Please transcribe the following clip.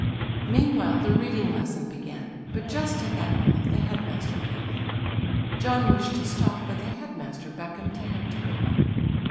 Meanwhile the reading lesson began. But just at that moment the head master came in. John wished to stop but the head master beckoned to him to go on.